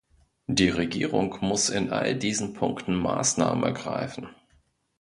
Die Regierung muss in all diesen Punkten Maßnahmen ergreifen.